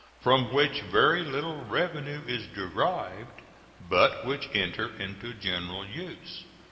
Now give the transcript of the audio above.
from which very little revenue is derived, but which enter into general use.